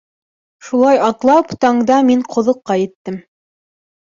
Шулай атлап таңда мин ҡоҙоҡҡа еттем.